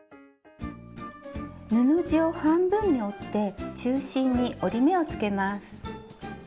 布地を半分に折って中心に折り目をつけます。